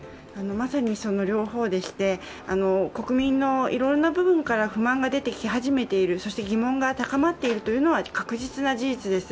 まさにその両方でして、国民のいろいろな部分から不満が出てき始めている、そして疑問が高まっているというのは確実な事実です。